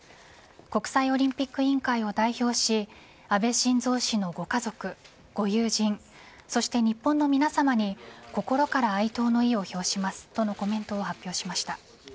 国際オリンピック委員会を代表し安倍晋三氏のご家族、ご友人そして日本の皆さまに心から哀悼の意を表しますとのコメントを発表しました。